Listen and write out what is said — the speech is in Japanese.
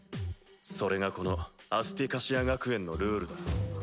それがこのアスティカシア学園のルールだ。